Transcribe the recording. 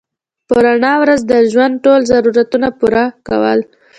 په رڼا ورځ د ژوند ټول ضرورتونه پوره کول